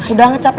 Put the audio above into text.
udah ngecap ya